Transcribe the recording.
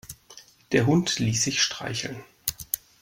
Der Hund ließ sich streicheln.